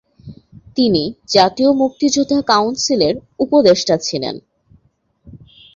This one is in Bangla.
তিনি জাতীয় মুক্তিযোদ্ধা কাউন্সিলের উপদেষ্টা ছিলেন।